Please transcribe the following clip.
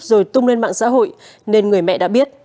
rồi tung lên mạng xã hội nên người mẹ đã biết